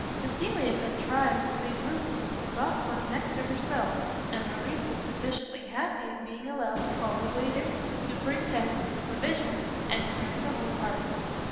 Cecilia contrived to make room for Mr Gosport next to herself, and Morrice was sufficiently happy in being allowed to call the waiters, superintend, the provisions, and serve the whole party.